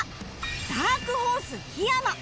ダークホース檜山